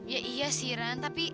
ya iya sih ran tapi